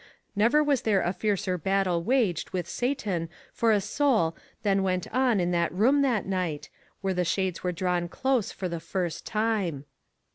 Never was there a fiercer battle waged with Satan for a soul than went on in that room that night, where the shades were drawn close for the first time.